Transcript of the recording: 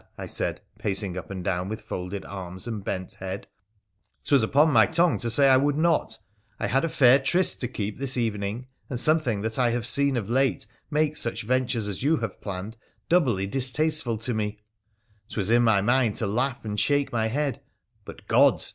' I said, pacing up and down with folded arms and bent head, ' 'twas upon my tongue to say I would not — I had a fair tryst to keep this evening, and something that I have seen of late makes such ventures as you have planned doubly distasteful to me ; 'twas in my mind to laugh and shake my head — but, gods